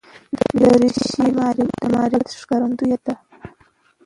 دریشي د معرفت ښکارندوی ده.